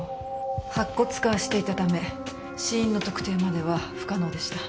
白骨化していたため死因の特定までは不可能でした。